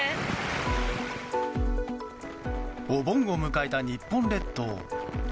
お盆を迎えた日本列島。